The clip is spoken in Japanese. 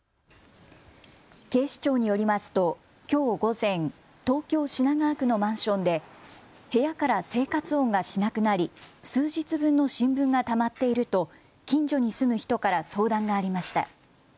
警視庁によりますときょう午前、東京品川区のマンションで部屋から生活音がしなくなり数日分の新聞がたまっていると近所に住む人から相談がありました。